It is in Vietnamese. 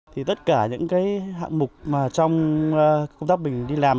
tất cả những hạng mục trong công tác mình đi làm